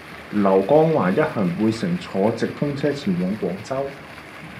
劉江華一行會乘坐直通車前往廣州